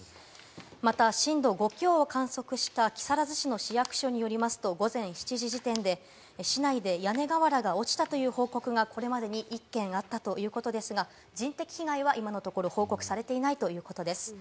また震度５強を観測した木更津市の市役所によりますと午前７時時点で市内で屋根瓦が落ちたという報告がこれまでに１件あったということですが、人的被害は今のところ報告されていないということです。